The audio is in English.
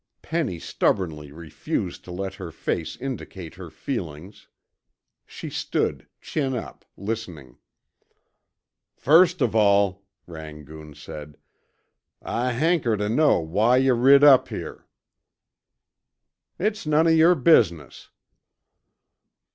Penny stubbornly refused to let her face indicate her feelings. She stood, chin up, listening. "First of all," Rangoon said, "I hanker tuh know why yuh rid up here." "It's none of your business."